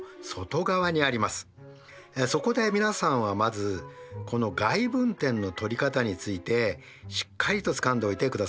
そこで皆さんはまずこの外分点の取り方についてしっかりとつかんでおいてくださいよ。